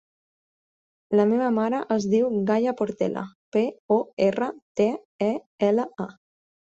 La meva mare es diu Gaia Portela: pe, o, erra, te, e, ela, a.